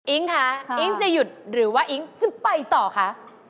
คะอิ๊งจะหยุดหรือว่าอิ๊งจะไปต่อคะ